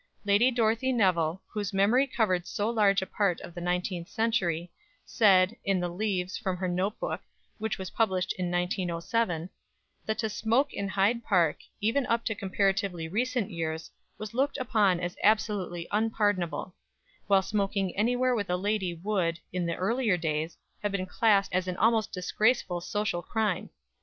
Lady Dorothy Nevill, whose memory covered so large a part of the nineteenth century, said, in the "Leaves" from her note book which was published in 1907, that to smoke in Hyde Park, even up to comparatively recent years, was looked upon as absolutely unpardonable; while smoking anywhere with a lady would, in the earlier days, have been classed as an almost disgraceful social crime.